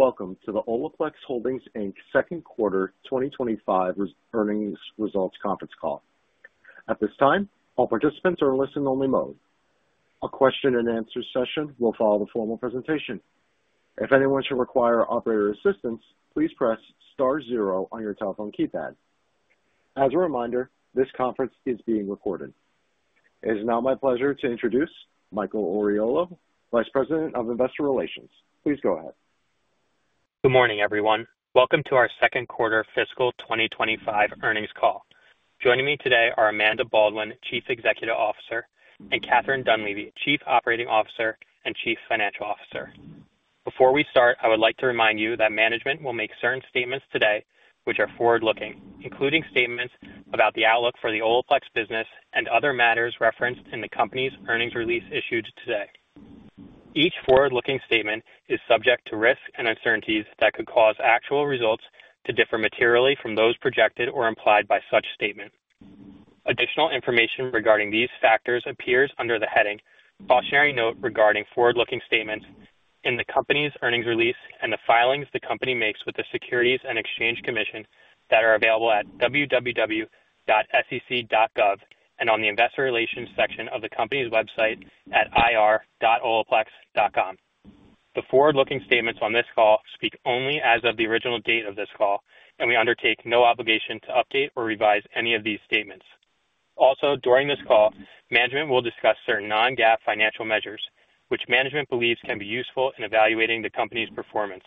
Welcome to the Olaplex Holdings, Inc. Second Quarter 2025 Earnings Results Conference Call. At this time, all participants are in listen-only mode. A question and answer session will follow the formal presentation. If anyone should require operator assistance, please press star zero on your telephone keypad. As a reminder, this conference is being recorded. It is now my pleasure to introduce Michael Oriolo, Vice President of Investor Relations. Please go ahead. Good morning, everyone. Welcome to our Second Quarter Fiscal 2025 Earnings Call. Joining me today are Amanda Baldwin, Chief Executive Officer, and Catherine Dunleavy, Chief Operating Officer and Chief Financial Officer. Before we start, I would like to remind you that management will make certain statements today which are forward-looking, including statements about the outlook for the Olaplex business and other matters referenced in the company's earnings release issued today. Each forward-looking statement is subject to risk and uncertainties that could cause actual results to differ materially from those projected or implied by such statements. Additional information regarding these factors appears under the heading "Cautionary Note Regarding Forward-Looking Statements" in the company's earnings release and the filings the company makes with the Securities and Exchange Commission that are available at www.sec.gov and on the Investor Relations section of the company's website at ir.olaplex.com. The forward-looking statements on this call speak only as of the original date of this call, and we undertake no obligation to update or revise any of these statements. Also, during this call, management will discuss certain non-GAAP financial measures, which management believes can be useful in evaluating the company's performance.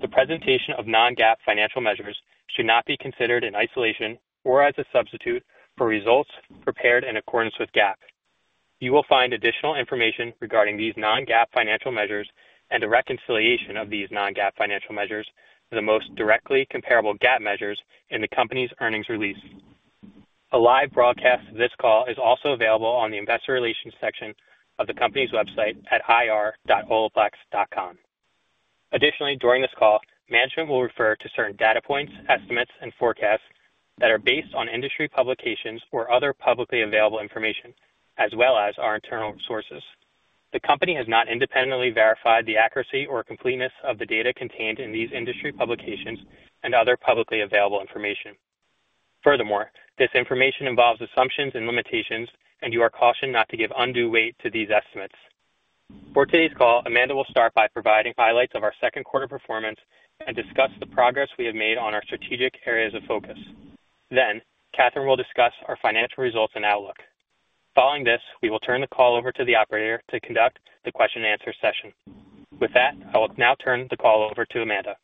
The presentation of non-GAAP financial measures should not be considered in isolation or as a substitute for results prepared in accordance with GAAP. You will find additional information regarding these non-GAAP financial measures and the reconciliation of these non-GAAP financial measures with the most directly comparable GAAP measures in the company's earnings release. A live broadcast of this call is also available on the Investor Relations section of the company's website at ir.olaplex.com. Additionally, during this call, management will refer to certain data points, estimates, and forecasts that are based on industry publications or other publicly available information, as well as our internal sources. The company has not independently verified the accuracy or completeness of the data contained in these industry publications and other publicly available information. Furthermore, this information involves assumptions and limitations, and you are cautioned not to give undue weight to these estimates. For today's call, Amanda will start by providing highlights of our second quarter performance and discuss the progress we have made on our strategic areas of focus. Then, Catherine will discuss our financial results and outlook. Following this, we will turn the call over to the operator to conduct the question and answer session. With that, I will now turn the call over to Amanda.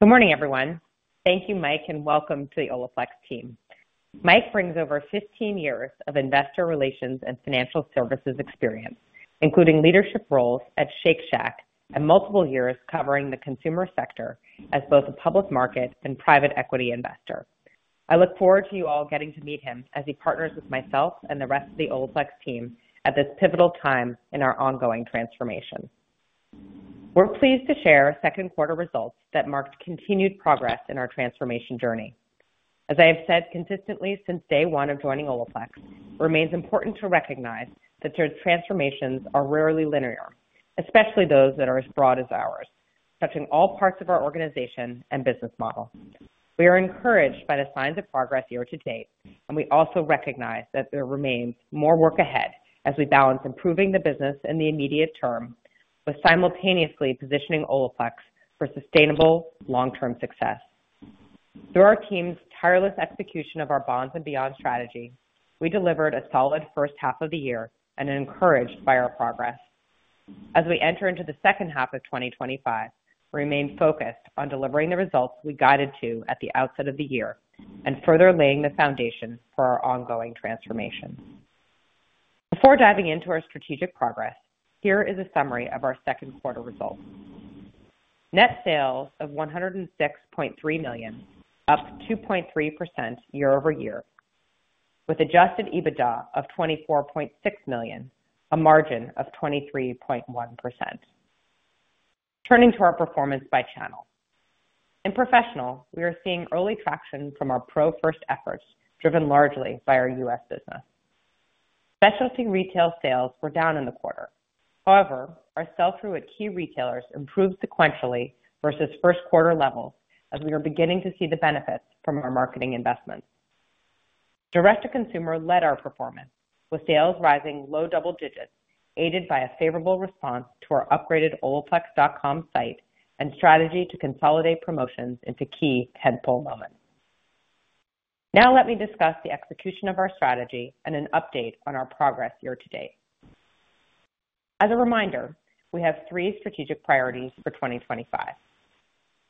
Good morning, everyone. Thank you, Mike, and welcome to the Olaplex team. Mike brings over 15 years of investor relations and financial services experience, including leadership roles at Shake Shack and multiple years covering the consumer sector as both a public market and private equity investor. I look forward to you all getting to meet him as he partners with myself and the rest of the Olaplex team at this pivotal time in our ongoing transformation. We're pleased to share second quarter results that marked continued progress in our transformation journey. As I have said consistently since day one of joining Olaplex, it remains important to recognize that transformations are rarely linear, especially those that are as broad as ours, touching all parts of our organization and business model. We are encouraged by the signs of progress year-to-date, and we also recognize that there remains more work ahead as we balance improving the business in the immediate term while simultaneously positioning Olaplex for sustainable long-term success. Through our team's tireless execution of our bonds and beyond strategy, we delivered a solid first half of the year and are encouraged by our progress. As we enter into the second half of 2025, we remain focused on delivering the results we guided to at the outset of the year and further laying the foundation for our ongoing transformation. Before diving into our strategic progress, here is a summary of our second quarter results. Net sales of $106.3 million, up 2.3% year-over-year, with adjusted EBITDA of $24.6 million, a margin of 23.1%. Turning to our performance by channel. In professional, we are seeing early traction from our pro-first efforts driven largely by our U.S. business. Specialty retail sales were down in the quarter. However, our sell-through at key retailers improved sequentially versus first quarter levels, as we are beginning to see the benefits from our marketing investments. Direct-to-consumer led our performance, with sales rising low double digits, aided by a favorable response to our upgraded Olaplex.com site and strategy to consolidate promotions into key tentpole moments. Now, let me discuss the execution of our strategy and an update on our progress year-to-date. As a reminder, we have three strategic priorities for 2025.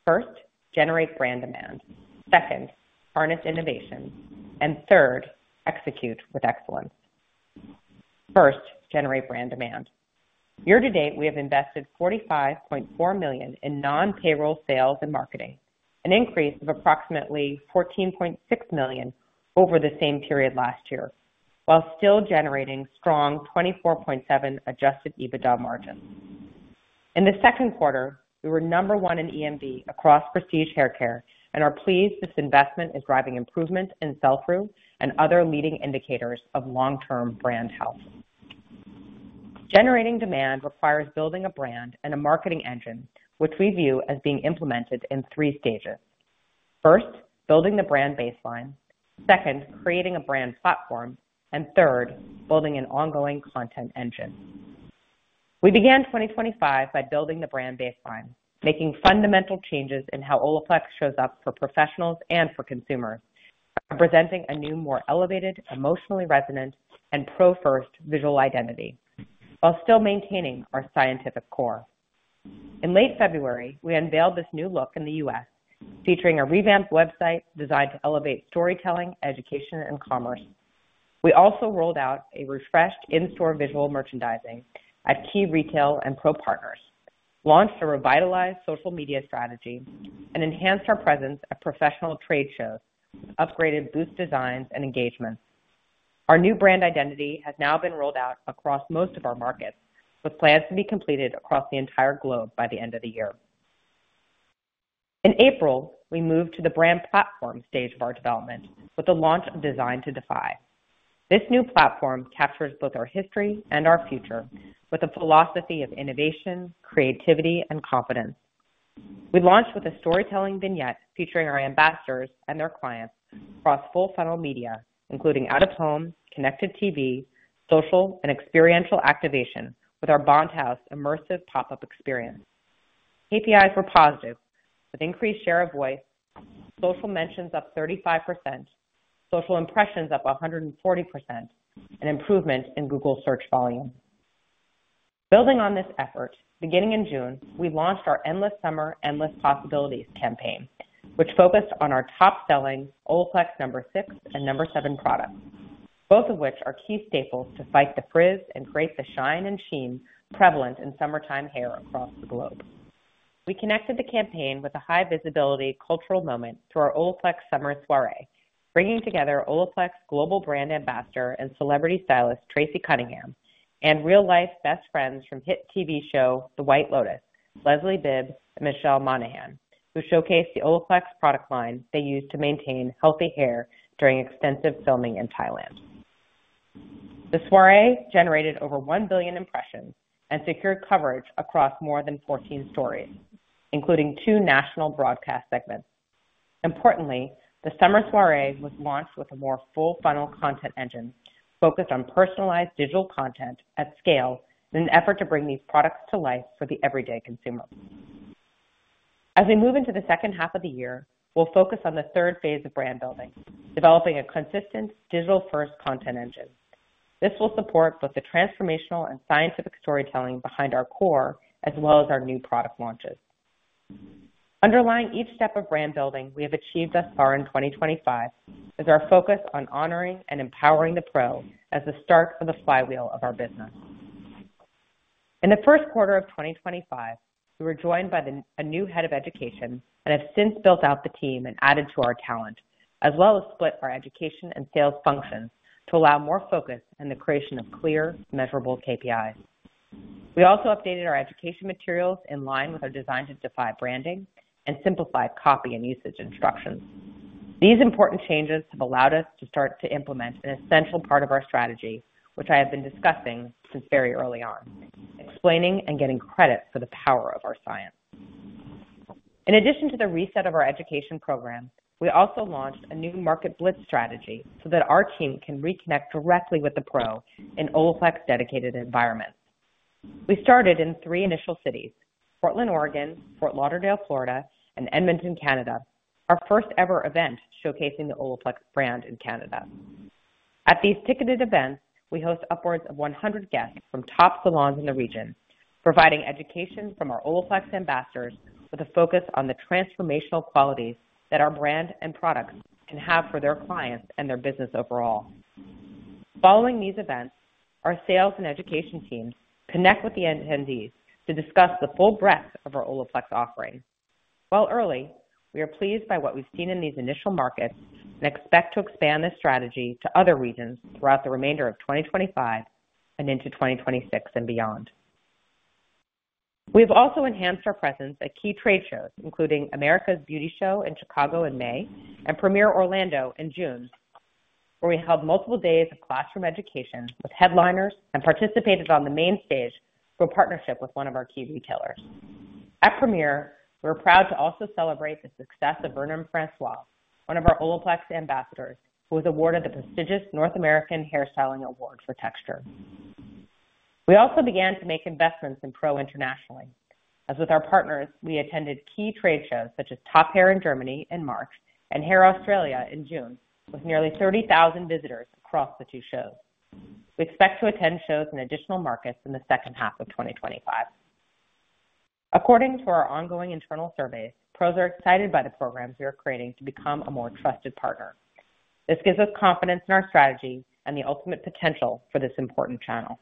First, generate brand demand. Second, harness innovation. Third, execute with excellence. First, generate brand demand. Year-to-date, we have invested $45.4 million in non-payroll sales and marketing, an increase of approximately $14.6 million over the same period last year, while still generating strong 24.7% adjusted EBITDA margins. In the second quarter, we were number one in EMV across prestige haircare and are pleased this investment is driving improvement in sell-through and other leading indicators of long-term brand health. Generating demand requires building a brand and a marketing engine, which we view as being implemented in three stages. First, building the brand baseline. Second, creating a brand platform. Third, building an ongoing content engine. We began 2024 by building the brand baseline, making fundamental changes in how Olaplex shows up for professionals and for consumers, presenting a new, more elevated, emotionally resonant, and pro-first visual identity, while still maintaining our scientific core. In late February, we unveiled this new look in the U.S., featuring a revamped website designed to elevate storytelling, education, and commerce. We also rolled out a refreshed in-store visual merchandising at key retail and pro partners, launched a revitalized social media strategy, and enhanced our presence at professional trade shows, upgraded booth designs, and engagements. Our new brand identity has now been rolled out across most of our markets, with plans to be completed across the entire globe by the end of the year. In April, we moved to the brand platform stage of our development, with the launch of Designed to Defy. This new platform captures both our history and our future, with a philosophy of innovation, creativity, and competence. We launched with a storytelling vignette featuring our ambassadors and their clients across full funnel media, including out-of-home, connected TV, social, and experiential activation with our Bond House immersive pop-up experience. KPIs were positive, with increased share of voice, social mentions up 35%, social impressions up 140%, and improvement in Google search volume. Building on this effort, beginning in June, we launched our Endless Summer, Endless Possibilities campaign, which focused on our top-selling Olaplex No. 6 and No. 7 products, both of which are key staples to fight the frizz and create the shine and sheen prevalent in summertime hair across the globe. We connected the campaign with a high-visibility cultural moment through our Olaplex Summer Soirée, bringing together Olaplex Global Brand Ambassador and celebrity stylist Tracy Cunningham and real-life best friends from hit TV show The White Lotus, Leslie Bibb and Michelle Monaghan, who showcased the Olaplex product line they used to maintain healthy hair during extensive filming in Thailand. The soirée generated over 1 billion impressions and secured coverage across more than 14 stories, including two national broadcast segments. Importantly, the summer soirée was launched with a more full-funnel content engine focused on personalized digital content at scale in an effort to bring these products to life for the everyday consumer. As we move into the second half of the year, we'll focus on the third phase of brand building, developing a consistent digital-first content engine. This will support both the transformational and scientific storytelling behind our core as well as our new product launches. Underlying each step of brand building we have achieved thus far in 2025 is our focus on honoring and empowering the pro as the start of the flywheel of our business. In the first quarter of 2025, we were joined by a new Head of Education and have since built out the team and added to our talent, as well as split our education and sales functions to allow more focus and the creation of clear, measurable KPIs. We also updated our education materials in line with our Designed to Defy branding and simplified copy and usage instructions. These important changes have allowed us to start to implement an essential part of our strategy, which I have been discussing since very early on, explaining and getting credit for the power of our science. In addition to the reset of our education program, we also launched a new market blitz strategy so that our team can reconnect directly with the pro in Olaplex's dedicated environment. We started in three initial cities: Portland, Oregon, Fort Lauderdale, Florida, and Edmonton, Canada, our first-ever event showcasing the Olaplex brand in Canada. At these ticketed events, we host upwards of 100 guests from top salons in the region, providing education from our Olaplex ambassadors with a focus on the transformational qualities that our brand and products can have for their clients and their business overall. Following these events, our sales and education teams connect with the attendees to discuss the full breadth of our Olaplex offering. While early, we are pleased by what we've seen in these initial markets and expect to expand this strategy to other regions throughout the remainder of 2025 and into 2026 and beyond. We have also enhanced our presence at key trade shows, including America's Beauty Show in Chicago in May and Premiere Orlando in June, where we held multiple days of classroom education with headliners and participated on the main stage through a partnership with one of our key retailers. At Premiere, we're proud to also celebrate the success of Vernon François, one of our Olaplex ambassadors, who was awarded the prestigious North American Hairstyling Award for texture. We also began to make investments in pro internationally, as with our partners, we attended key trade shows such as Top Hair in Germany in March and Hair Australia in June, with nearly 30,000 visitors across the two shows. We expect to attend shows in additional markets in the second half of 2025. According to our ongoing internal surveys, pros are excited by the programs we are creating to become a more trusted partner. This gives us confidence in our strategy and the ultimate potential for this important channel.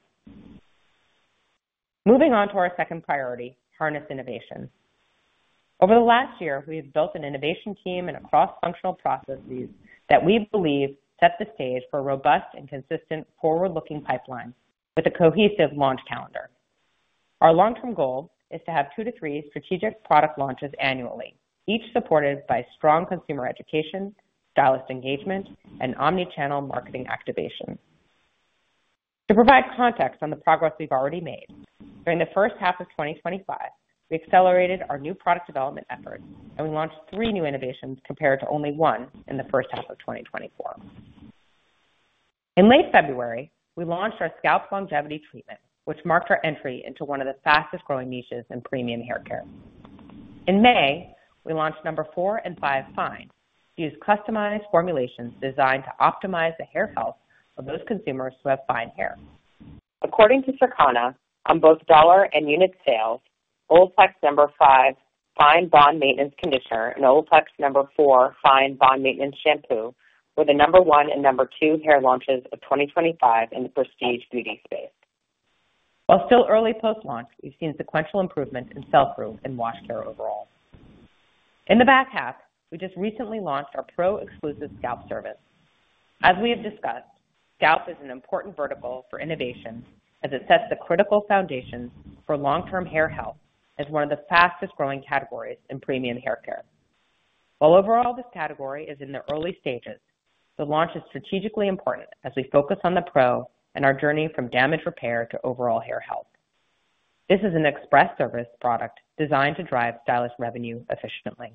Moving on to our second priority, harness innovation. Over the last year, we have built an innovation team and a cross-functional process that we believe set the stage for a robust and consistent forward-looking pipeline with a cohesive launch calendar. Our long-term goal is to have two to three strategic product launches annually, each supported by strong consumer education, stylist engagement, and omnichannel marketing activation. To provide context on the progress we've already made, during the first half of 2025, we accelerated our new product development efforts, and we launched three new innovations compared to only one in the first half of 2024. In late February, we launched our scalp longevity treatment, which marked our entry into one of the fastest-growing niches in premium haircare. In May, we launched Olaplex No. 4 Fine Bond Maintenance and Olaplex No. 5 Fine Bond Maintenance, customized formulations designed to optimize the hair health of those consumers who have fine hair. According to Circana, on both dollar and unit sales, Olaplex No. 5 Fine Bond Maintenance Conditioner and Olaplex No. 4 Fine Bond Maintenance Shampoo were the No. 1 and No. 2 hair launches of 2025 in the prestige beauty space. While still early post-launch, we've seen sequential improvement in sell-through and wash care overall. In the back half, we just recently launched our pro-exclusive scalp service. As we have discussed, scalp is an important vertical for innovation as it sets the critical foundation for long-term hair health as one of the fastest-growing categories in premium haircare. While overall this category is in the early stages, the launch is strategically important as we focus on the pro and our journey from damage repair to overall hair health. This is an express service product designed to drive stylist revenue efficiently.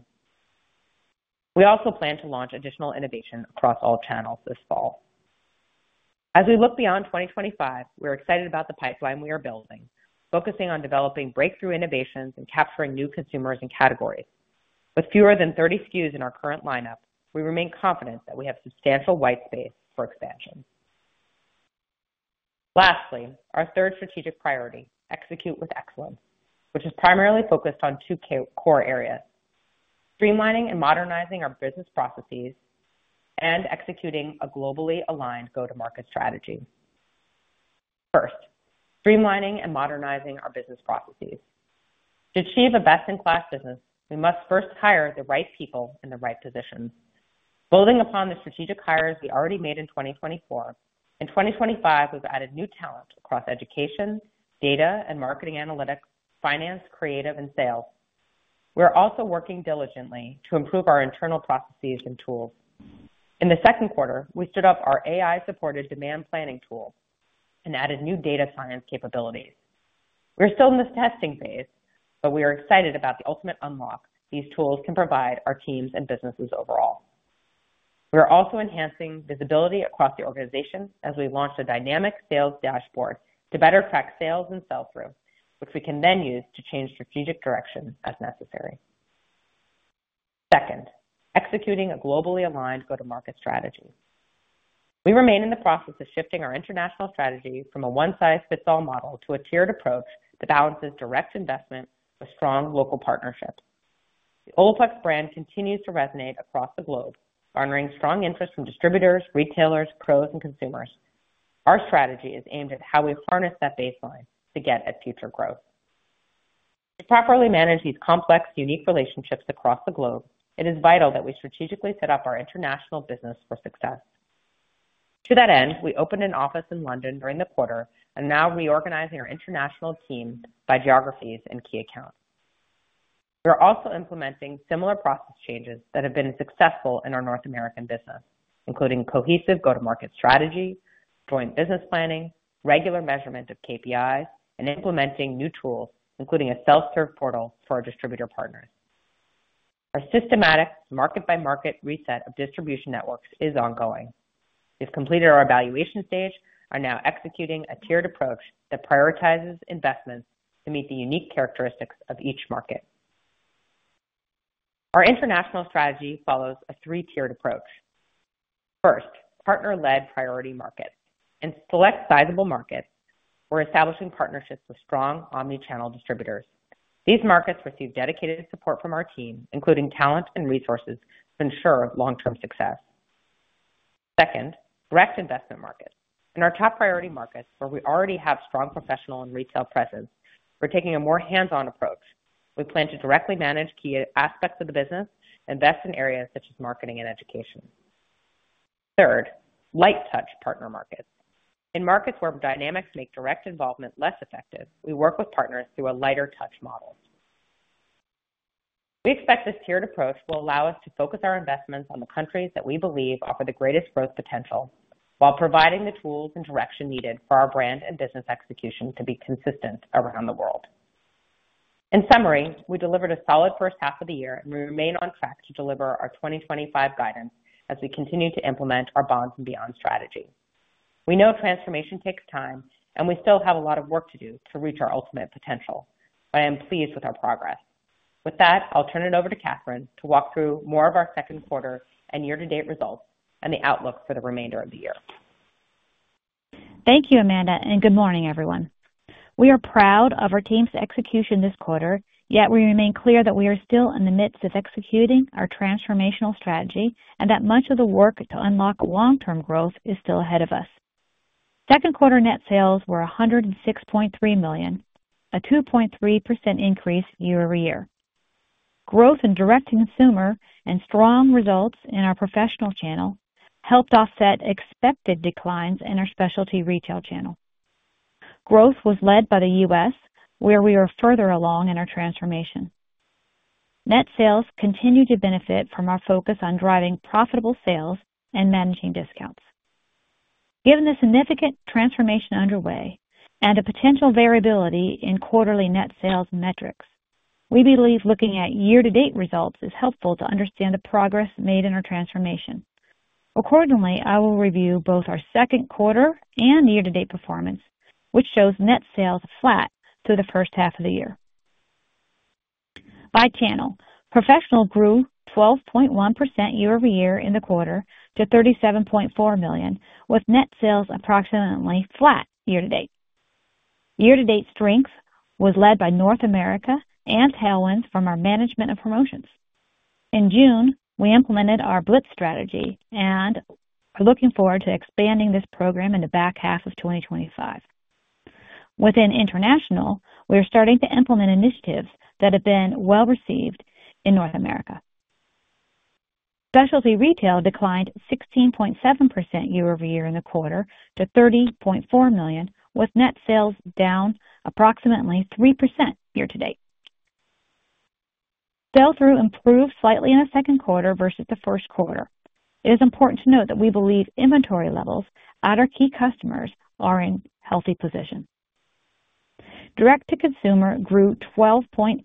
We also plan to launch additional innovation across all channels this fall. As we look beyond 2025, we are excited about the pipeline we are building, focusing on developing breakthrough innovations and capturing new consumers and categories. With fewer than 30 SKUs in our current lineup, we remain confident that we have substantial white space for expansion. Lastly, our third strategic priority, execute with excellence, which is primarily focused on two core areas: streamlining and modernizing our business processes and executing a globally aligned go-to-market strategy. First, streamlining and modernizing our business processes. To achieve a best-in-class business, we must first hire the right people in the right positions. Building upon the strategic hires we already made in 2024, in 2025, we've added new talent across education, data, and marketing analytics, finance, creative, and sales. We're also working diligently to improve our internal processes and tools. In the second quarter, we stood up our AI-supported demand planning tool and added new data science capabilities. We're still in this testing phase, but we are excited about the ultimate unlock these tools can provide our teams and businesses overall. We are also enhancing visibility across the organization as we launched a dynamic sales dashboard to better track sales and sell-through, which we can then use to change strategic direction as necessary. Second, executing a globally aligned go-to-market strategy. We remain in the process of shifting our international strategy from a one-size-fits-all model to a tiered approach that balances direct investment with strong local partnerships. The Olaplex brand continues to resonate across the globe, garnering strong interest from distributors, retailers, pros, and consumers. Our strategy is aimed at how we harness that baseline to get at future growth. To properly manage these complex, unique relationships across the globe, it is vital that we strategically set up our international business for success. To that end, we opened an office in London during the quarter and are now reorganizing our international team by geographies and key accounts. We are also implementing similar process changes that have been successful in our North American business, including cohesive go-to-market strategy, joint business planning, regular measurement of KPIs, and implementing new tools, including a self-serve portal for our distributor partners. Our systematic market-by-market reset of distribution networks is ongoing. We've completed our evaluation stage and are now executing a tiered approach that prioritizes investments to meet the unique characteristics of each market. Our international strategy follows a three-tiered approach. First, partner-led priority markets in select sizable markets where we're establishing partnerships with strong omnichannel distributors. These markets receive dedicated support from our team, including talent and resources to ensure long-term success. Second, direct investment markets. In our top priority markets, where we already have strong professional and retail presence, we're taking a more hands-on approach. We plan to directly manage key aspects of the business and invest in areas such as marketing and education. Third, light-touch partner markets. In markets where dynamics make direct involvement less effective, we work with partners through a lighter-touch model. We expect this tiered approach will allow us to focus our investments on the countries that we believe offer the greatest growth potential while providing the tools and direction needed for our brand and business execution to be consistent around the world. In summary, we delivered a solid first half of the year, and we remain on track to deliver our 2025 guidance as we continue to implement our bonds and beyond strategy. We know transformation takes time, and we still have a lot of work to do to reach our ultimate potential, but I am pleased with our progress. With that, I'll turn it over to Catherine to walk through more of our second quarter and year-to-date results and the outlook for the remainder of the year. Thank you, Amanda, and good morning, everyone. We are proud of our team's execution this quarter, yet we remain clear that we are still in the midst of executing our transformational strategy and that much of the work to unlock long-term growth is still ahead of us. Second quarter net sales were $106.3 million, a 2.3% increase year-over-year. Growth in direct-to-consumer and strong results in our professional channel helped offset expected declines in our specialty retail channel. Growth was led by the U.S., where we were further along in our transformation. Net sales continue to benefit from our focus on driving profitable sales and managing discounts. Given the significant transformation underway and the potential variability in quarterly net sales metrics, we believe looking at year-to-date results is helpful to understand the progress made in our transformation. Accordingly, I will review both our second quarter and year-to-date performance, which shows net sales flat through the first half of the year. By channel, professional grew 12.1% year-over-year in the quarter to $37.4 million, with net sales approximately flat year-to-date. Year-to-date strength was led by North America and tailwinds from our management and promotions. In June, we implemented our blitz strategy and are looking forward to expanding this program in the back half of 2025. Within international, we are starting to implement initiatives that have been well received in North America. Specialty retail declined 16.7% year-over-year in the quarter to $30.4 million, with net sales down approximately 3% year-to-date. Sell-through improved slightly in the second quarter versus the first quarter. It is important to note that we believe inventory levels at our key customers are in a healthy position. Direct-to-consumer grew 12.8%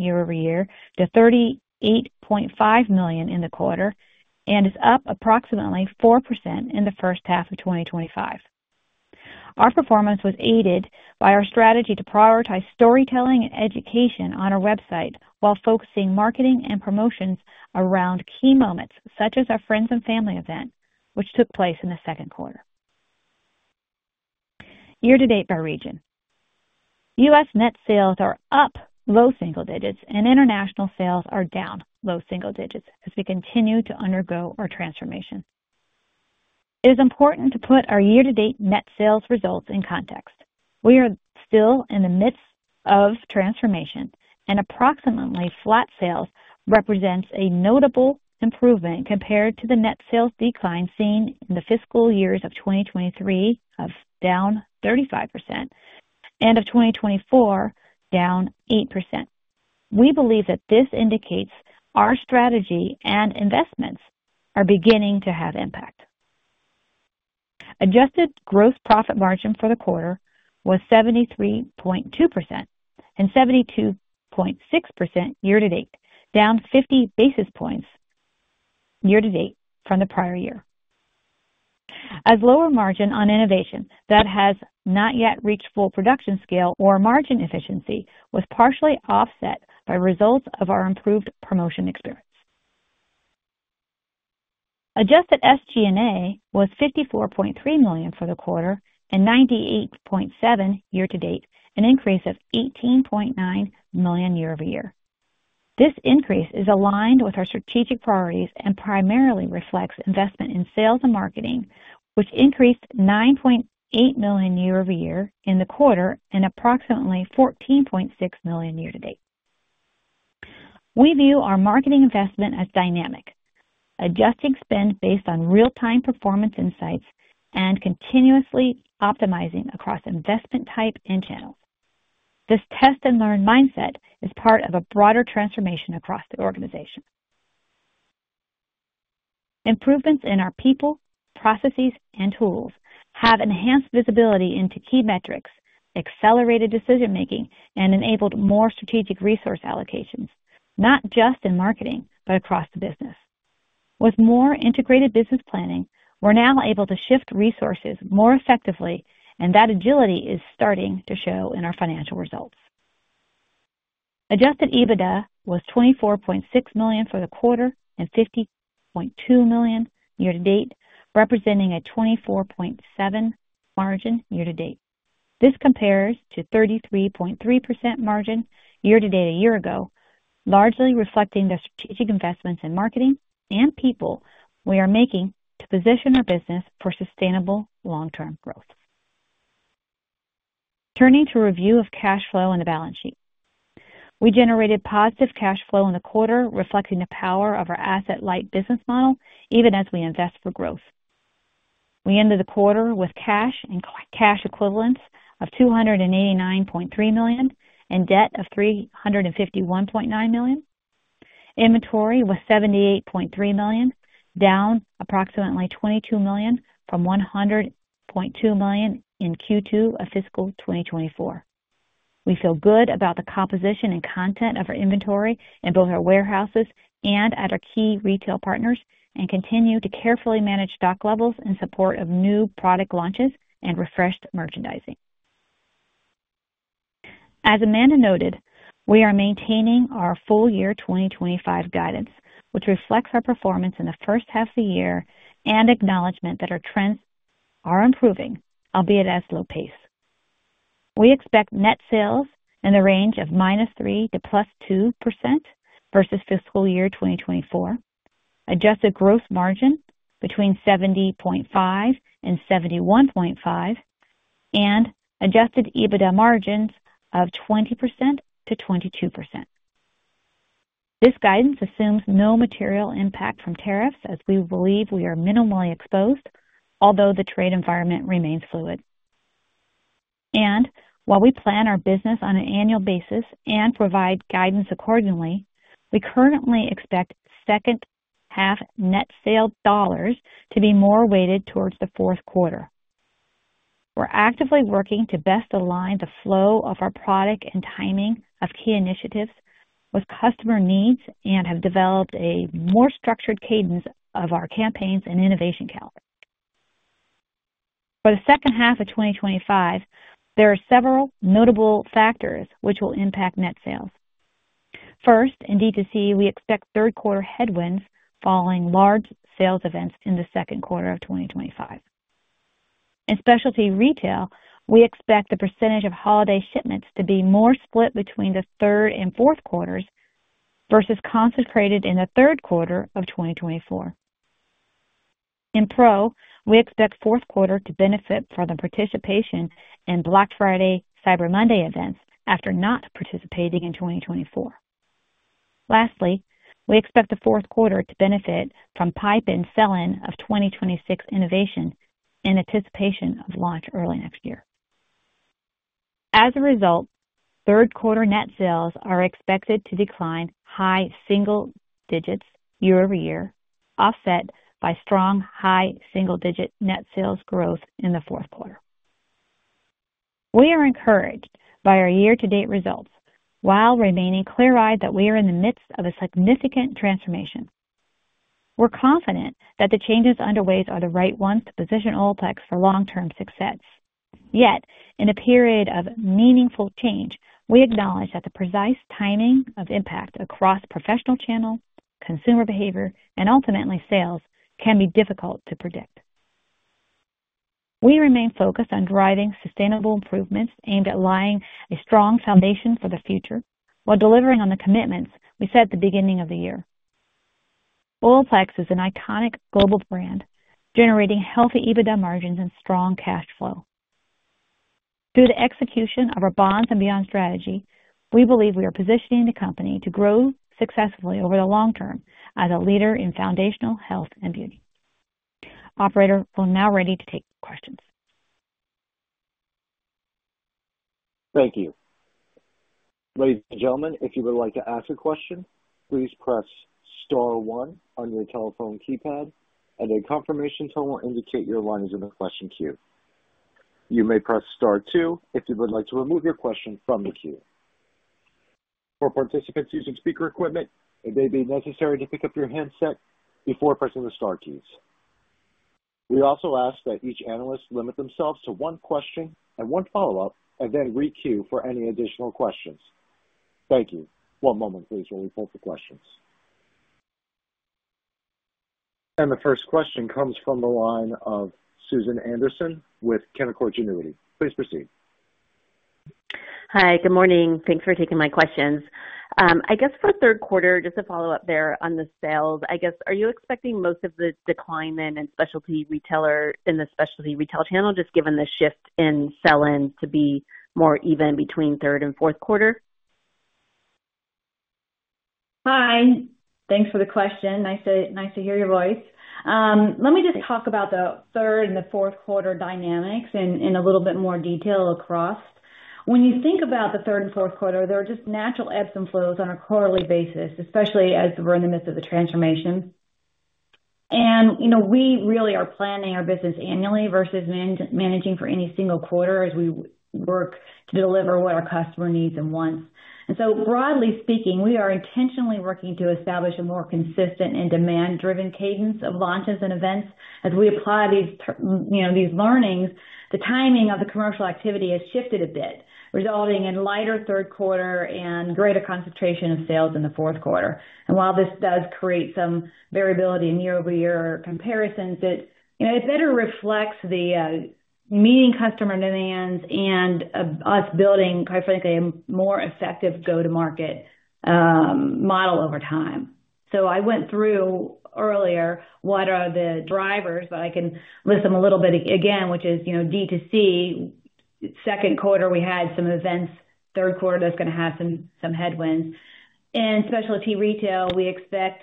year-over-year to $38.5 million in the quarter and is up approximately 4% in the first half of 2025. Our performance was aided by our strategy to prioritize storytelling and education on our website while focusing marketing and promotions around key moments such as our friends and family event, which took place in the second quarter. Year-to-date by region, U.S. net sales are up low single digits, and international sales are down low single digits as we continue to undergo our transformation. It is important to put our year-to-date net sales results in context. We are still in the midst of transformation, and approximately flat sales represent a notable improvement compared to the net sales decline seen in the fiscal years of 2023 of down 35% and of 2024 down 8%. We believe that this indicates our strategy and investments are beginning to have impact. Adjusted gross profit margin for the quarter was 73.2% and 72.6% year-to-date, down 50 basis points year-to-date from the prior year. A lower margin on innovation that has not yet reached full production scale or margin efficiency was partially offset by results of our improved promotion experience. Adjusted SG&A was $54.3 million for the quarter and $98.7 million year-to-date, an increase of $18.9 million year-over-year. This increase is aligned with our strategic priorities and primarily reflects investment in sales and marketing, which increased $9.8 million year-over-year in the quarter and approximately $14.6 million year-to-date. We view our marketing investment as dynamic, adjusting spend based on real-time performance insights and continuously optimizing across investment type and channel. This test and learn mindset is part of a broader transformation across the organization. Improvements in our people, processes, and tools have enhanced visibility into key metrics, accelerated decision-making, and enabled more strategic resource allocations, not just in marketing but across the business. With more integrated business planning, we're now able to shift resources more effectively, and that agility is starting to show in our financial results. Adjusted EBITDA was $24.6 million for the quarter and $50.2 million year-to-date, representing a 24.7% margin year-to-date. This compares to 33.3% margin year-to-date a year ago, largely reflecting the strategic investments in marketing and people we are making to position our business for sustainable long-term growth. Turning to review of cash flow and the balance sheet. We generated positive cash flow in the quarter, reflecting the power of our asset-light business model, even as we invest for growth. We ended the quarter with cash and cash equivalents of $289.3 million and debt of $351.9 million. Inventory was $78.3 million, down approximately $22 million from $100.2 million in Q2 of fiscal 2024. We feel good about the composition and content of our inventory in both our warehouses and at our key retail partners and continue to carefully manage stock levels in support of new product launches and refreshed merchandising. As Amanda noted, we are maintaining our full-year 2025 guidance, which reflects our performance in the first half of the year and acknowledgment that our trends are improving, albeit at a slow pace. We expect net sales in the range of -3% to +2% versus fiscal year 2024, adjusted gross margin between 70.5%-71.5%, and adjusted EBITDA margins of 20%-22%. This guidance assumes no material impact from tariffs as we believe we are minimally exposed, although the trade environment remains fluid. While we plan our business on an annual basis and provide guidance accordingly, we currently expect second half net sales dollars to be more weighted towards the fourth quarter. We're actively working to best align the flow of our product and timing of key initiatives with customer needs and have developed a more structured cadence of our campaigns and innovation calendar. For the second half of 2025, there are several notable factors which will impact net sales. First, in direct-to-consumer, we expect third-quarter headwinds following large sales events in the second quarter of 2025. In specialty retail, we expect the percentage of holiday shipments to be more split between the third and fourth quarters versus concentrated in the third quarter of 2024. In professional channels, we expect the fourth quarter to benefit from participation in Black Friday [and] Cyber Monday events after not participating in 2024. Lastly, we expect the fourth quarter to benefit from pipe-in sell-in of 2026 innovation in anticipation of launch early next year. As a result, third-quarter net sales are expected to decline high single digits year-over-year, offset by strong high single-digit net sales growth in the fourth quarter. We are encouraged by our year-to-date results while remaining clear-eyed that we are in the midst of a significant transformation. We're confident that the changes underway are the right ones to position Olaplex for long-term success. Yet, in a period of meaningful change, we acknowledge that the precise timing of impact across professional channels, consumer behavior, and ultimately sales can be difficult to predict. We remain focused on driving sustainable improvements aimed at laying a strong foundation for the future while delivering on the commitments we set at the beginning of the year. Olaplex is an iconic global brand, generating healthy EBITDA margins and strong cash flow. Through the execution of our bonds and beyond strategy, we believe we are positioning the company to grow successfully over the long term as a leader in foundational health and beauty. Operator, we're now ready to take questions. Thank you. Ladies and gentlemen, if you would like to ask a question, please press star one on your telephone keypad, and a confirmation tone will indicate your line is in the question queue. You may press star two if you would like to remove your question from the queue. For participants using speaker equipment, it may be necessary to pick up your handset before pressing the star key. We also ask that each analyst limit themselves to one question and one follow-up and then re-queue for any additional questions. Thank you. One moment, please, while we pull for questions. The first question comes from the line of Susan Anderson with Canaccord Genuity. Please proceed. Hi, good morning. Thanks for taking my questions. I guess for third quarter, just to follow up there on the sales, are you expecting most of the decline then in specialty retail, in the specialty retail channel, just given the shift in sell-in to be more even between third and fourth quarter? Hi, thanks for the question. Nice to hear your voice. Let me just talk about the third and the fourth quarter dynamics in a little bit more detail. When you think about the third and fourth quarter, there are just natural ebbs and flows on a quarterly basis, especially as we're in the midst of the transformation. We really are planning our business annually versus managing for any single quarter as we work to deliver what our customer needs and wants. Broadly speaking, we are intentionally working to establish a more consistent and demand-driven cadence of launches and events. As we apply these learnings, the timing of the commercial activity has shifted a bit, resulting in a lighter third quarter and greater concentration of sales in the fourth quarter. While this does create some variability in year-over-year comparisons, it better reflects meeting customer demands and us building, quite frankly, a more effective go-to-market model over time. I went through earlier what are the drivers, but I can list them a little bit again, which is D2C, second quarter we had some events, third quarter that's going to have some headwinds. In specialty retail, we expect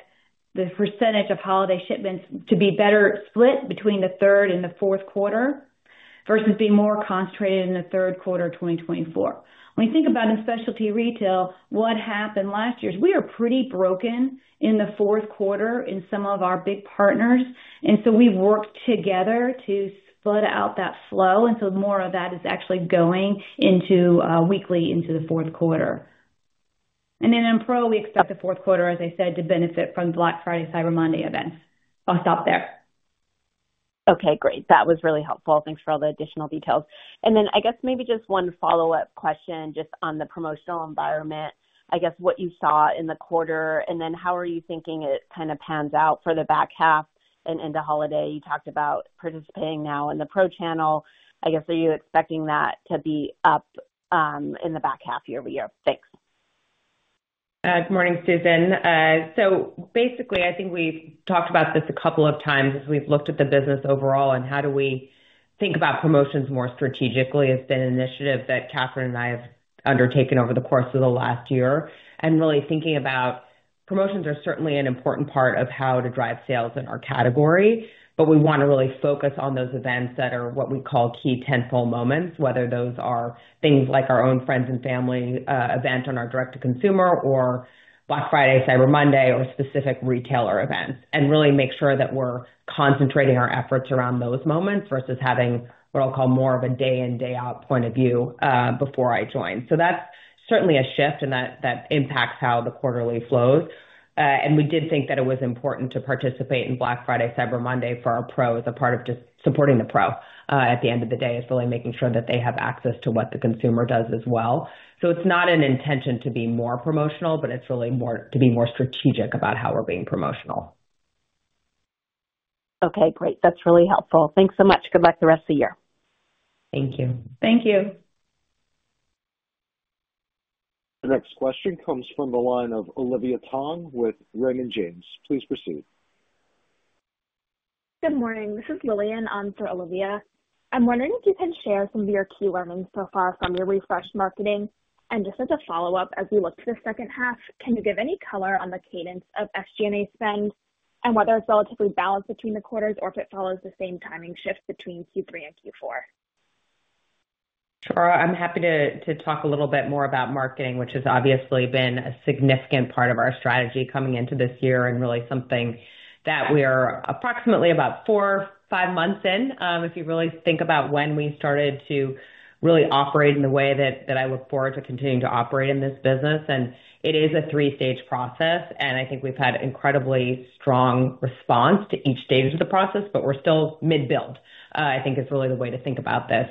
the percentage of holiday shipments to be better split between the third and the fourth quarter versus being more concentrated in the third quarter of 2024. When you think about in specialty retail, what happened last year is we are pretty broken in the fourth quarter in some of our big partners. We worked together to split out that flow, and more of that is actually going into weekly into the fourth quarter. In pro, we expect the fourth quarter, as I said, to benefit from Black Friday [and] Cyber Monday events. I'll stop there. Okay, great. That was really helpful. Thanks for all the additional details. I guess maybe just one follow-up question on the promotional environment. I guess what you saw in the quarter and then how are you thinking it kind of pans out for the back half and into holiday? You talked about participating now in the professional channels. I guess are you expecting that to be up in the back half year-over-year? Thanks. Good morning, Susan. Basically, I think we've talked about this a couple of times as we've looked at the business overall and how do we think about promotions more strategically has been an initiative that Catherine and I have undertaken over the course of the last year. Really thinking about promotions are certainly an important part of how to drive sales in our category, but we want to really focus on those events that are what we call key tentpole moments, whether those are things like our own friends and family event on our direct-to-consumer or Black Friday [and] Cyber Monday or specific retailer events, and really make sure that we're concentrating our efforts around those moments versus having what I'll call more of a day-in, day-out point of view before I joined. That's certainly a shift and that impacts how the quarterly flows. We did think that it was important to participate in Black Friday [and] Cyber Monday for our pro as a part of just supporting the pro at the end of the day is really making sure that they have access to what the consumer does as well. It's not an intention to be more promotional, but it's really more to be more strategic about how we're being promotional. Okay, great. That's really helpful. Thanks so much. Good luck the rest of the year. Thank you. Thank you. The next question comes from the line of Olivia Tong with Raymond James. Please proceed. Good morning. This is Lillian on for Olivia. I'm wondering if you can share some of your key learnings so far from your refresh marketing. Just as a follow-up, as we look to the second half, can you give any color on the cadence of SG&A spend and whether it's relatively balanced between the quarters or if it follows the same timing shift between Q3 and Q4? Sure. I'm happy to talk a little bit more about marketing, which has obviously been a significant part of our strategy coming into this year and really something that we are approximately about four, five months in. If you really think about when we started to really operate in the way that I look forward to continuing to operate in this business, it is a three-stage process. I think we've had incredibly strong response to each stage of the process, but we're still mid-build, I think is really the way to think about this.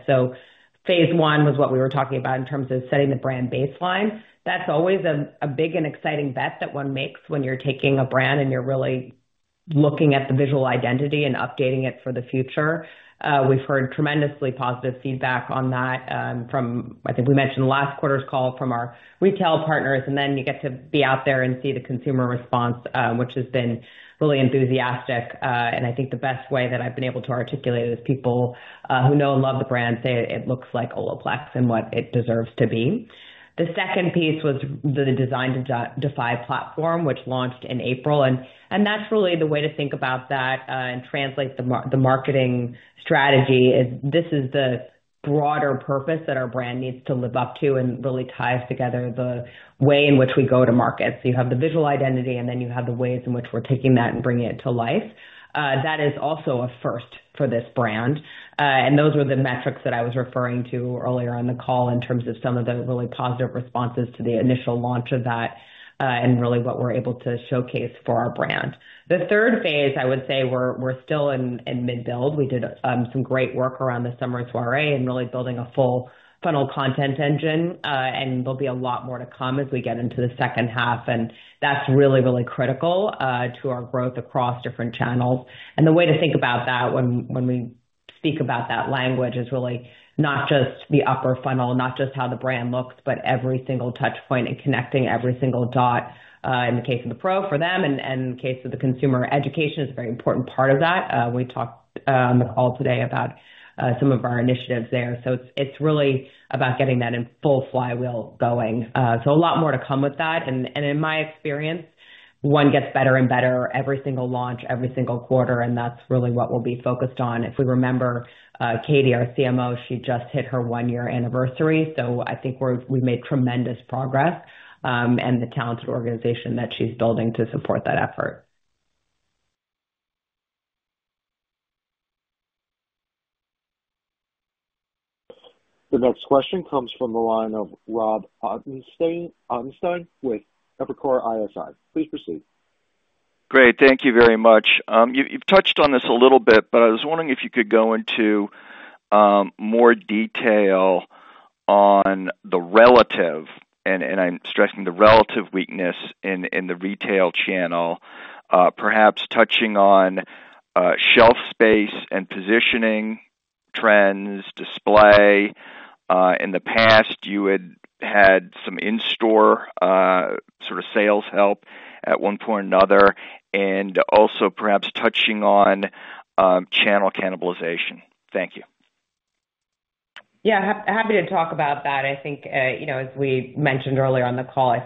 Phase I was what we were talking about in terms of setting the brand baseline. That's always a big and exciting bet that one makes when you're taking a brand and you're really looking at the visual identity and updating it for the future. We've heard tremendously positive feedback on that from, I think we mentioned the last quarter's call, from our retail partners, and then you get to be out there and see the consumer response, which has been really enthusiastic. I think the best way that I've been able to articulate it is people who know and love the brand say it looks like Olaplex and what it deserves to be. The second piece was the Designed to Defy platform, which launched in April. Naturally, the way to think about that and translate the marketing strategy is this is the broader purpose that our brand needs to live up to and really ties together the way in which we go to market. You have the visual identity, and then you have the ways in which we're taking that and bringing it to life. That is also a first for this brand. Those were the metrics that I was referring to earlier on the call in terms of some of the really positive responses to the initial launch of that and really what we're able to showcase for our brand. The third phase, I would say, we're still in mid-build. We did some great work around the Olaplex Summer Soirée and really building a full-funnel content engine. There'll be a lot more to come as we get into the second half. That's really, really critical to our growth across different channels. The way to think about that when we speak about that language is really not just the upper funnel, not just how the brand looks, but every single touchpoint and connecting every single dot. In the case of the pro for them, and in the case of the consumer, education is a very important part of that. We talked on the call today about some of our initiatives there. It is really about getting that in full flywheel going. A lot more to come with that. In my experience, one gets better and better every single launch, every single quarter. That is really what we'll be focused on. If we remember Katie, our CMO, she just hit her one-year anniversary. I think we've made tremendous progress and the talented organization that she's building to support that effort. The next question comes from the line of Rob Ottenstein with Evercore ISI. Please proceed. Great. Thank you very much. You've touched on this a little bit, but I was wondering if you could go into more detail on the relative, and I'm stressing the relative weakness in the retail channel, perhaps touching on shelf space and positioning trends, display. In the past, you had had some in-store sort of sales help at one point or another, and also perhaps touching on channel cannibalization. Thank you. Yeah, happy to talk about that. I think, as we mentioned earlier on the call,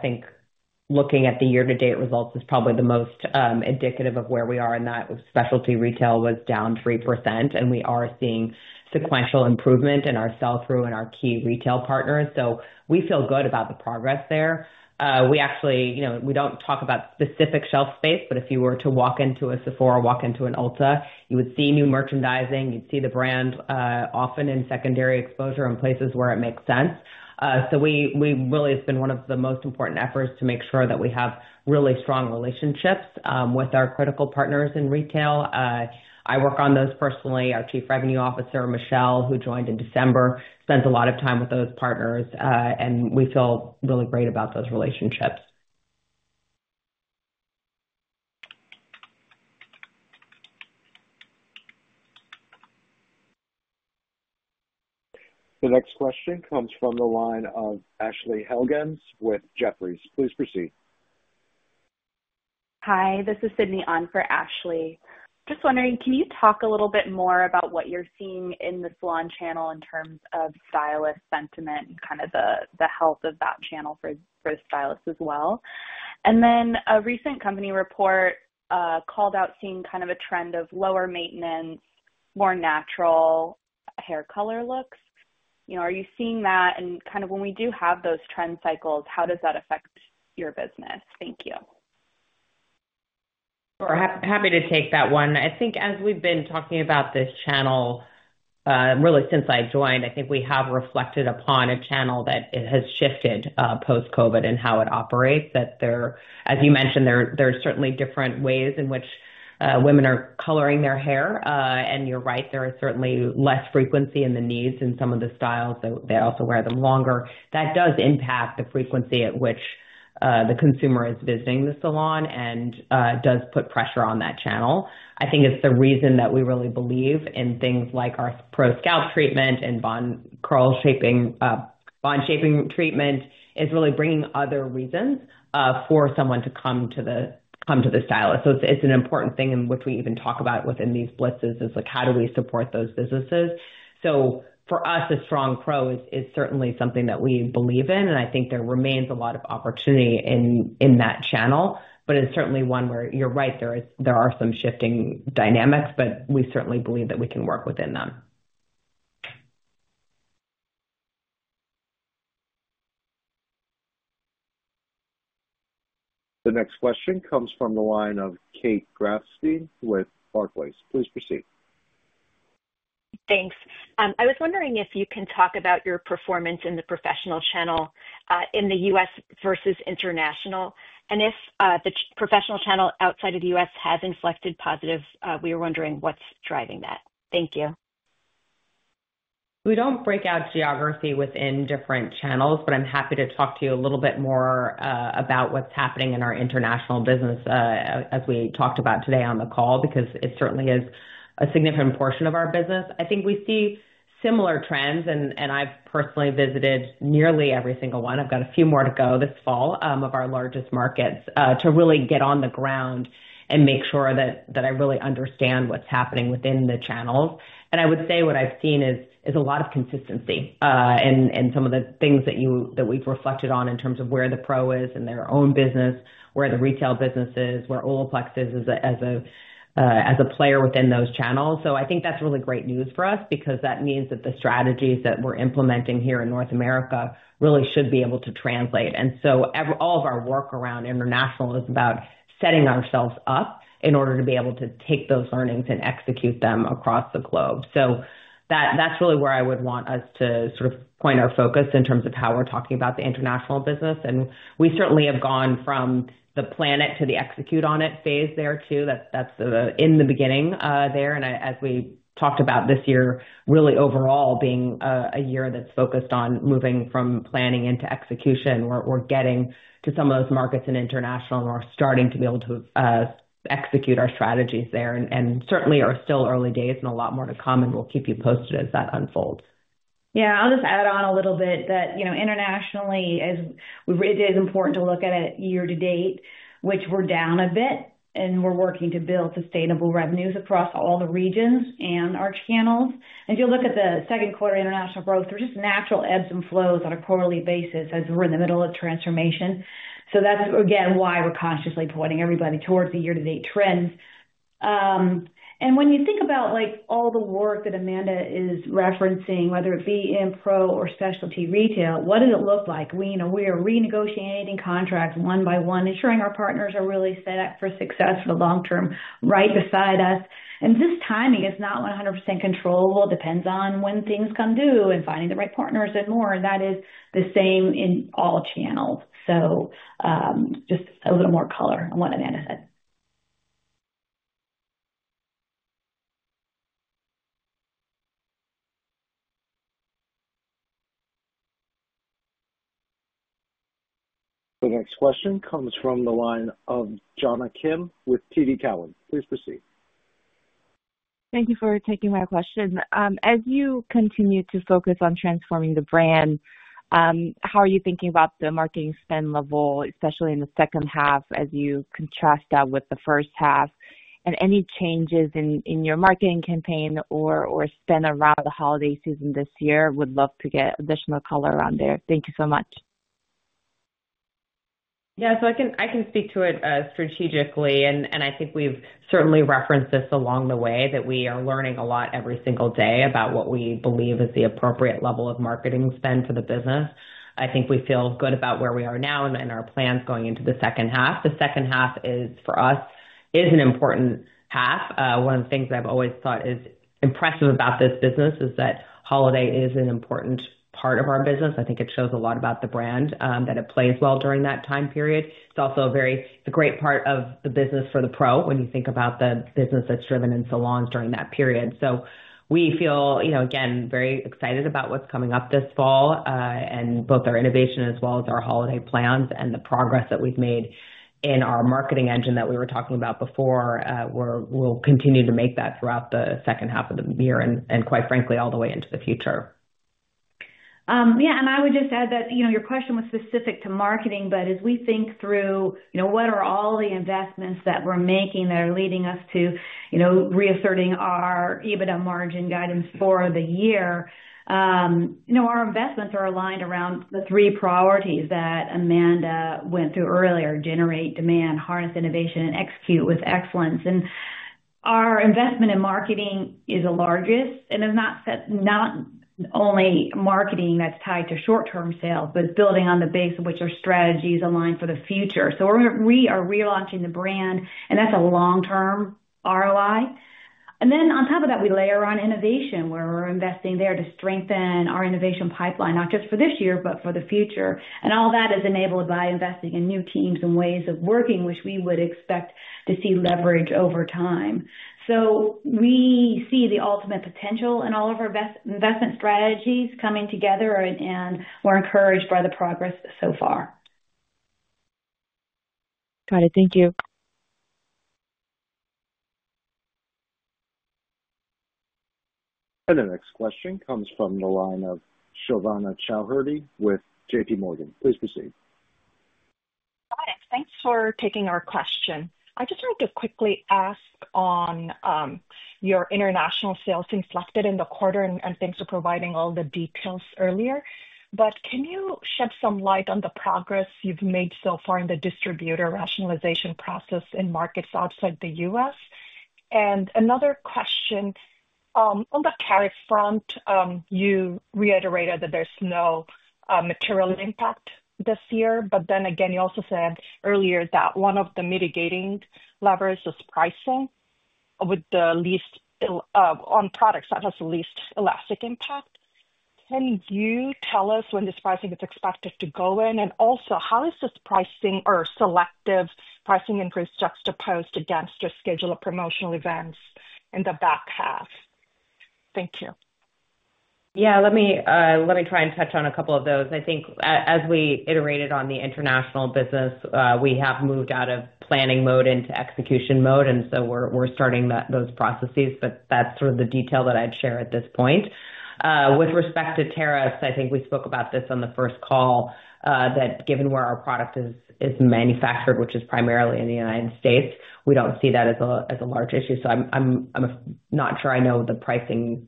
looking at the year-to-date results is probably the most indicative of where we are, and that with specialty retail was down 3%. We are seeing sequential improvement in our sell-through and our key retail partners. We feel good about the progress there. We actually, we don't talk about specific shelf space, but if you were to walk into a Sephora or walk into an Ulta, you would see new merchandising. You'd see the brand often in secondary exposure in places where it makes sense. It has been one of the most important efforts to make sure that we have really strong relationships with our critical partners in retail. I work on those personally. Our Chief Revenue Officer, Michelle, who joined in December, spent a lot of time with those partners, and we feel really great about those relationships. The next question comes from the line of Ashley Helgans with Jefferies. Please proceed. Hi, this is Sydney on for Ashley. Just wondering, can you talk a little bit more about what you're seeing in this blonde channel in terms of stylist sentiment and the health of that channel for the stylists as well? A recent company report called out seeing a trend of lower maintenance, more natural hair color looks. Are you seeing that? When we do have those trend cycles, how does that affect your business? Thank you. Happy to take that one. I think as we've been talking about this channel, really since I joined, I think we have reflected upon a channel that has shifted post-COVID and how it operates, that there, as you mentioned, there are certainly different ways in which women are coloring their hair. You're right, there are certainly less frequency in the needs in some of the styles. They also wear them longer. That does impact the frequency at which the consumer is visiting the salon and does put pressure on that channel. I think it's the reason that we really believe in things like our pro scalp treatment and bond shaping treatment is really bringing other reasons for someone to come to the stylist. It's an important thing in which we even talk about within these blitzes, like how do we support those businesses? For us, a strong pro is certainly something that we believe in. I think there remains a lot of opportunity in that channel, but it's certainly one where you're right, there are some shifting dynamics, but we certainly believe that we can work within them. The next question comes from the line of Kate Grafstein with Barclays. Please proceed. Thanks. I was wondering if you can talk about your performance in the professional channel in the U.S. versus international. If the professional channel outside of the U.S. has inflected positive, we were wondering what's driving that. Thank you. We don't break out geography within different channels, but I'm happy to talk to you a little bit more about what's happening in our international business as we talked about today on the call because it certainly is a significant portion of our business. I think we see similar trends, and I've personally visited nearly every single one. I've got a few more to go this fall of our largest markets to really get on the ground and make sure that I really understand what's happening within the channels. I would say what I've seen is a lot of consistency in some of the things that we've reflected on in terms of where the pro is in their own business, where the retail business is, where Olaplex is as a player within those channels. I think that's really great news for us because that means that the strategies that we're implementing here in North America really should be able to translate. All of our work around international is about setting ourselves up in order to be able to take those learnings and execute them across the globe. That's really where I would want us to sort of point our focus in terms of how we're talking about the international business. We certainly have gone from the plan it to the execute on it phase there too. That's in the beginning there. As we talked about this year, really overall being a year that's focused on moving from planning into execution, we're getting to some of those markets in international and we're starting to be able to execute our strategies there. It certainly is still early days and a lot more to come, and we'll keep you posted as that unfolds. Yeah, I'll just add on a little bit that, you know, internationally, it is important to look at it year-to-date, which we're down a bit, and we're working to build sustainable revenues across all the regions and our channels. If you look at the second quarter international growth, there are just natural ebbs and flows on a quarterly basis as we're in the middle of transformation. That's, again, why we're consciously pointing everybody towards the year-to-date trends. When you think about like all the work that Amanda is referencing, whether it be in pro or specialty retail, what does it look like? We are renegotiating contracts one by one, ensuring our partners are really set up for success for the long term right beside us. This timing is not 100% controllable. It depends on when things come due and finding the right partners and more. That is the same in all channels. Just a little more color on what Amanda said. The next question comes from the line of Jonna Kim with TD Cowen. Please proceed. Thank you for taking my question. As you continue to focus on transforming the brand, how are you thinking about the marketing spend level, especially in the second half as you contrast that with the first half? Any changes in your marketing campaign or spend around the holiday season this year? Would love to get additional color around there. Thank you so much. Yeah, I can speak to it strategically, and I think we've certainly referenced this along the way that we are learning a lot every single day about what we believe is the appropriate level of marketing spend for the business. I think we feel good about where we are now and our plans going into the second half. The second half for us is an important half. One of the things I've always thought is impressive about this business is that holiday is an important part of our business. I think it shows a lot about the brand that it plays well during that time period. It's also a very great part of the business for the pro when you think about the business that's driven in salons during that period. We feel, you know, again, very excited about what's coming up this fall and both our innovation as well as our holiday plans and the progress that we've made in our marketing engine that we were talking about before. We'll continue to make that throughout the second half of the year and quite frankly all the way into the future. Yeah, and I would just add that your question was specific to marketing, but as we think through what are all the investments that we're making that are leading us to reasserting our EBITDA margin guidance for the year, our investments are aligned around the three priorities that Amanda went through earlier: generate demand, harness innovation, and execute with excellence. Our investment in marketing is the largest and is not only marketing that's tied to short-term sales, but it's building on the base of which our strategy is aligned for the future. We are relaunching the brand, and that's a long-term ROI. On top of that, we layer on innovation where we're investing there to strengthen our innovation pipeline, not just for this year, but for the future. All that is enabled by investing in new teams and ways of working, which we would expect to see leverage over time. We see the ultimate potential in all of our investment strategies coming together, and we're encouraged by the progress so far. Got it. Thank you. The next question comes from the line of Shovana Chowdhury with JPMorgan. Please proceed. Thanks for taking our question. I just wanted to quickly ask on your international sales inflected in the quarter, and thanks for providing all the details earlier. Can you shed some light on the progress you've made so far in the distributor rationalization process in markets outside the U.S.? Another question. On the tariff front, you reiterated that there's no material impact this year, but you also said earlier that one of the mitigating levers is pricing with the least on products that has the least elastic impact. Can you tell us when this pricing is expected to go in? Also, how is this pricing or selective pricing increase juxtaposed against your schedule of promotional events in the back half? Thank you. Let me try and touch on a couple of those. I think as we iterated on the international business, we have moved out of planning mode into execution mode, and we're starting those processes. That's sort of the detail that I'd share at this point. With respect to tariffs, I think we spoke about this on the first call, that given where our product is manufactured, which is primarily in the U.S., we don't see that as a large issue. I'm not sure I know the pricing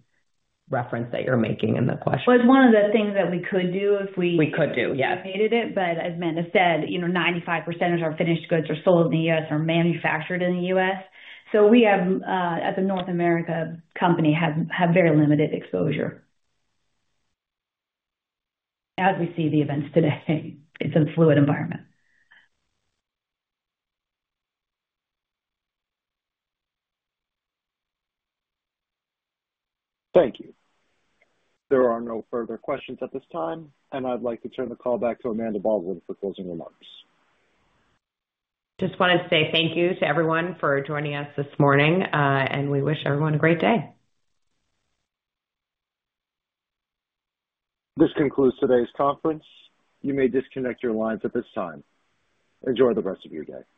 reference that you're making in the question. It is one of the things that we could do if we. We could do, yeah. If we needed it, but as Amanda said, you know, 95% of our finished goods are sold in the U.S. or manufactured in the U.S. We have, as a North America company, very limited exposure. As we see the events today, it's a fluid environment. Thank you. There are no further questions at this time, and I'd like to turn the call back to Amanda Baldwin for closing remarks. Just wanted to say thank you to everyone for joining us this morning, and we wish everyone a great day. This concludes today's conference. You may disconnect your lines at this time. Enjoy the rest of your day.